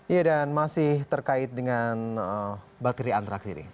iya dan masih terkait dengan bakteri antraks ini